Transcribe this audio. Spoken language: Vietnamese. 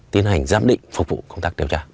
tiến hành giám định phục vụ công tác điều tra